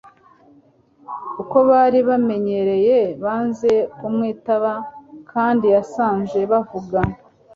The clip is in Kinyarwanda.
uko bari bamenyereye banze kumwitaba kandi yasanze bavuga